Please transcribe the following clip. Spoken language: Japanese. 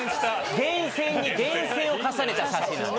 厳選に厳選を重ねた写真なんで。